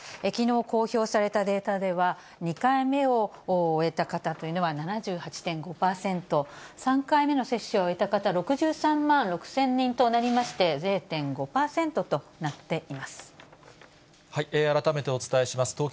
きのう公表されたデータでは、２回目を終えた方というのは７８．５％、３回目の接種を終えた方、６３万６０００人となりまして、０．５改めてお伝えします。